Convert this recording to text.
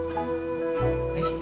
おいしい？